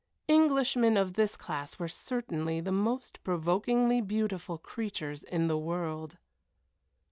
Englishmen of this class were certainly the most provokingly beautiful creatures in the world.